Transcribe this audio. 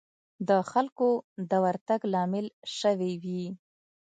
د خلکو د ورتګ لامل شوې وي.